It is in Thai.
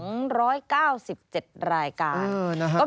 ยอมรับว่าการตรวจสอบเพียงเลขอยไม่สามารถทราบได้ว่าเป็นผลิตภัณฑ์ปลอม